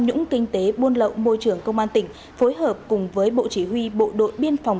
nhũng kinh tế buôn lậu môi trường công an tỉnh phối hợp cùng với bộ chỉ huy bộ đội biên phòng